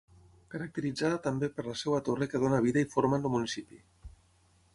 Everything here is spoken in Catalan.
Caracteritzada també per la seva torre que dóna vida i forma en el municipi.